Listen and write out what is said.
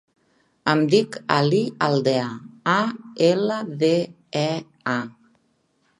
Em dic Ali Aldea: a, ela, de, e, a.